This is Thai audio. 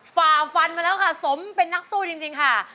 ฝ่าฟันมาแล้วค่ะสมเป็นนักสู้จริงค่ะ